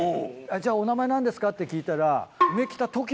じゃあお名前何ですか？って聞いたら。